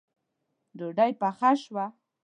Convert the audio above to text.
ډوډۍ پخه شوه